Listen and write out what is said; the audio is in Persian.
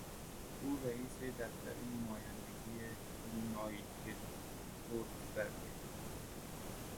او رئیس دفتر نمایندگی یونایتدپرس در تهران است.